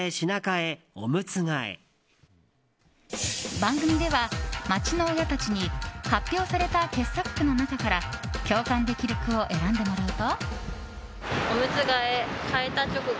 番組では街の親たちに発表された傑作句の中から共感できる句を選んでもらうと。